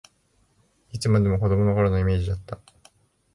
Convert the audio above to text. いつまでも子どもの頃のイメージだった